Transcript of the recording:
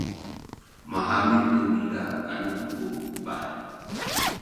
mahamin tu niza kanen ku epah.